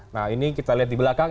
nah ini kita lihat di belakang